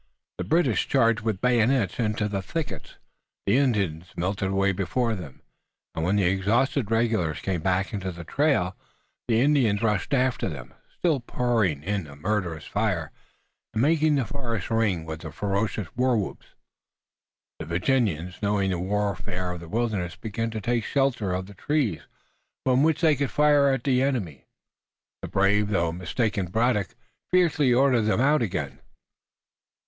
The British charged with the bayonet into the thickets. The Indians melted away before them, and, when the exhausted regulars came back into the trail, the Indians rushed after them, still pouring in a murderous fire, and making the forest ring with the ferocious war whoop. The Virginians, knowing the warfare of the wilderness, began to take to the shelter of the trees, from which they could fire at the enemy. The brave though mistaken Braddock fiercely ordered them out again.